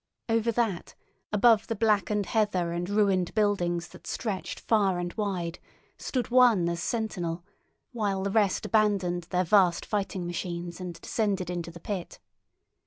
Over that, above the blackened heather and ruined buildings that stretched far and wide, stood one as sentinel, while the rest abandoned their vast fighting machines and descended into the pit.